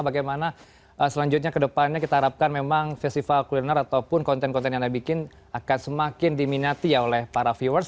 bagaimana selanjutnya ke depannya kita harapkan memang festival kuliner ataupun konten konten yang anda bikin akan semakin diminati ya oleh para viewers